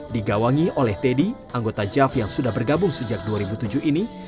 digawangi oleh teddy anggota jav yang sudah bergabung sejak dua ribu tujuh ini